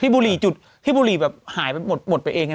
บุหรี่จุดที่บุหรี่แบบหายไปหมดไปเอง